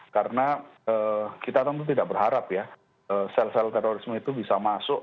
karena kita tentu tidak berharap ya sel sel terorisme itu bisa masuk